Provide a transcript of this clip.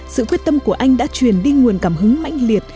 sự quyết tâm của anh đã truyền đi nguồn cảm hứng mạnh liệt